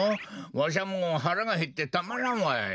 わしはもうはらがへってたまらんわい。